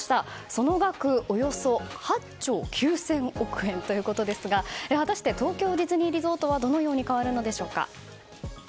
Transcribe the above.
その額およそ８兆９０００億円ということですが果たして東京ディズニーリゾートはどのように変わるのでしょうか。